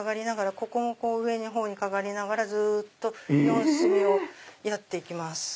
ここも上のほうにかがりながらずっと四隅をやって行きます。